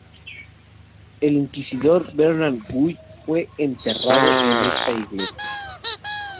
El inquisidor Bernard Gui fue enterrado en esta iglesia.